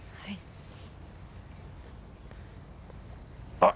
あっ！